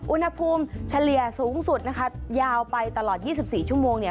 อุณหภูมิเฉลี่ยสูงสุดนะคะยาวไปตลอด๒๔ชั่วโมงเนี่ย